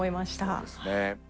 そうですね。